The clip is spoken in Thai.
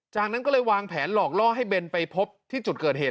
จากนั้นก็เลยวางแผนหลอกล่อให้เบนไปพบที่จุดเกิดเหตุ